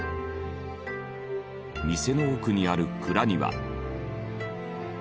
店の奥にある蔵には。